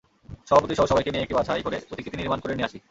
সভাপতিসহ সবাইকে নিয়ে একটি বাছাই করে প্রতিকৃতি নির্মাণ করে নিয়ে আসি।